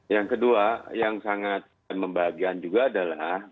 yang kedua yang sangat membahagiaan juga adalah